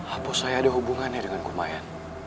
apa saya ada hubungannya dengan lumayan